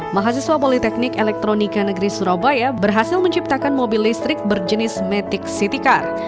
mahasiswa politeknik elektronika negeri surabaya berhasil menciptakan mobil listrik berjenis matic city car